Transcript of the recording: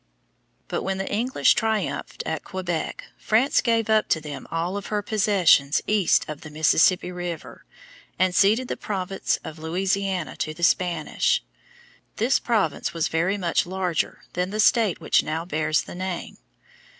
But when the English triumphed at Quebec, France gave up to them all of her possessions east of the Mississippi River, and ceded the province of Louisiana to the Spanish. This province was very much larger than the state which now bears the name.